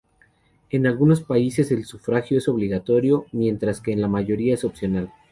En algunos países el sufragio es obligatorio, mientras que en la mayoría es opcional.